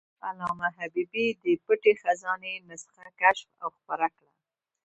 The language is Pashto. علامه حبیبي د "پټه خزانه" نسخه کشف او خپره کړه.